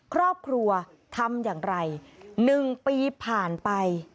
ครอบครัวทำอย่างไร๑ปีผ่านไป